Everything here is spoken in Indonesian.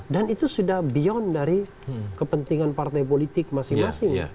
dan itu sudah beyond dari kepentingan partai politik masing masing